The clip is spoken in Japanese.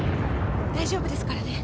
大丈夫ですからね。